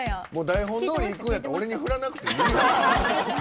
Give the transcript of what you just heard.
台本どおりいくんやったら俺に振らなくていい。